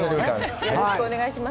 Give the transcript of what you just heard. よろしくお願いします。